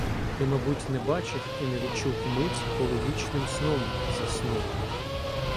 Ти мабуть не бачив і не відчув Мить, коли вічним сном заснув